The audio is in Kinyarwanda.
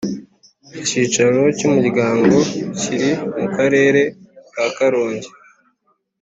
Icyicaro cyUmuryango kiri mu Karere ka Karongi